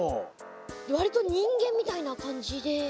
割と人間みたいな感じで。